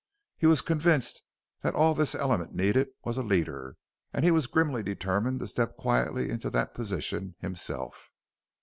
He was convinced that all this element needed was a leader and he grimly determined to step quietly into that position himself.